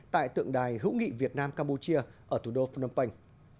tại tượng đài hữu nghị việt nam campuchia ở thủ đô phnom penh